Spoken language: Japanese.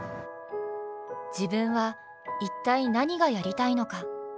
自分は一体何がやりたいのか。